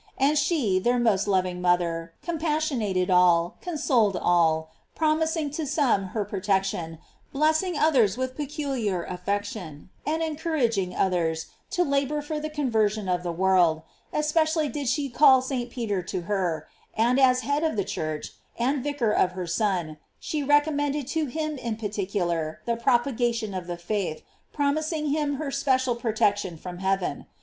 And she, their most loving mother, compassionated all, consoled all, promising to some her protection, blessing oth ers with peculiar affection, and encouraging others to labor for the conversion of the world; especially did she call St. Peter to her, and as head of the Church, and vicar of her Son, she recommended to him in particular the propaga tion of the faith, promising him her special pro tection from heaven.